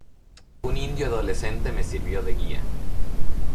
un indio adolescente me sirvió de guía.